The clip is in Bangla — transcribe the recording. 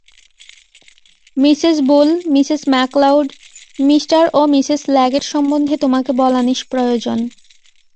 Mrs Bull, Mrs MacLeod, Mr ও মিসেস লেগেট সম্বন্ধে তোমাকে বলা নিষ্প্রয়োজন।